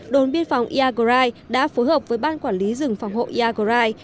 đồn biên phòng iagrai đã phối hợp với ban quản lý rừng phòng hộ iagrai